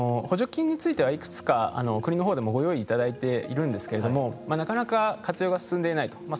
補助金についてはいくつか国の方でもご用意いただいているんですけれどもなかなか活用が進んでいないと。